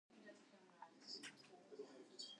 It bestriden fan de oerlêst falt ôf.